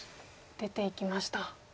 出ていきました。